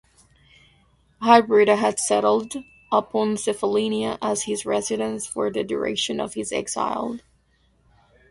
Hybrida had settled upon Cephallenia as his residence for the duration of his exile.